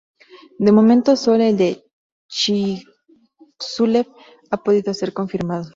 De momento, solo el de Chicxulub ha podido ser confirmado.